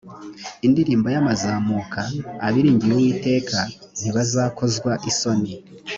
indirimbo y amazamuka abiringiye uwiteka ntibazakozwa isoni